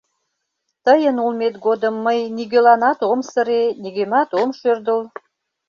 Тыйын улмет годым мый нигӧланат ом сыре, нигӧмат ом шӱрдыл...